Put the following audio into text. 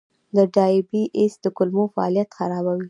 د ډایبی ایس د کولمو فعالیت خرابوي.